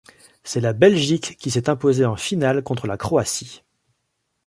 C'est la Belgique qui s'est imposée en finale contre la Croatie.